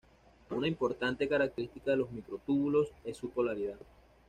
Una importante característica de los microtúbulos es su polaridad.